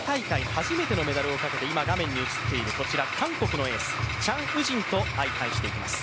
初めてのメダルをかけて今画面に映っている韓国のエース、チャン・ウジンと相対しています。